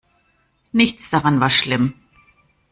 Nichts daran war schlimm.